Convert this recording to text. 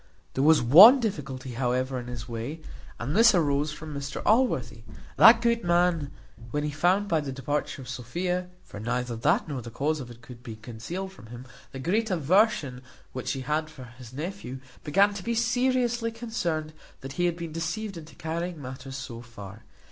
There was one difficulty, however, in his way, and this arose from Mr Allworthy. That good man, when he found by the departure of Sophia (for neither that, nor the cause of it, could be concealed from him), the great aversion which she had for his nephew, began to be seriously concerned that he had been deceived into carrying matters so far.